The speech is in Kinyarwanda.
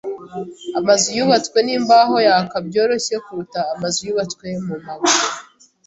Amazu yubatswe nimbaho yaka byoroshye kuruta amazu yubatswe mumabuye.